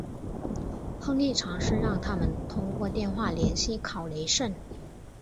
亨利尝试让他们通过电话联系考雷什。